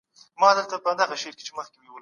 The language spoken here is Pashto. حقیقت باید د ټولو لخوا ومنل سي.